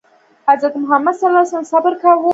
حضرت محمد ﷺ صبر کاوه.